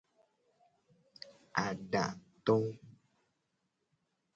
Adato.